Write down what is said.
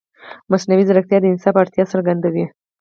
مصنوعي ځیرکتیا د انصاف اړتیا څرګندوي.